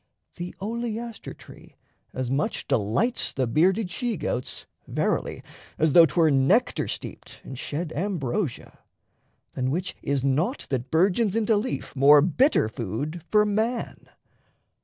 The oleaster tree as much delights The bearded she goats, verily as though 'Twere nectar steeped and shed ambrosia; Than which is naught that burgeons into leaf More bitter food for man.